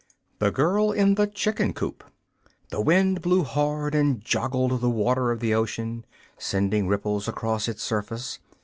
1. The Girl in the Chicken Coop The wind blew hard and joggled the water of the ocean, sending ripples across its surface.